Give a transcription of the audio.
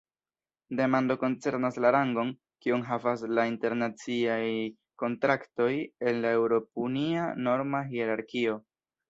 Demando koncernas la rangon, kiun havas la internaciaj kontraktoj en la eŭropunia norma hierarkio.